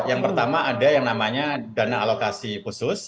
yang pertama ada yang namanya dana alokasi khusus